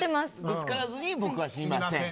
ぶつからずに「僕は死にません！」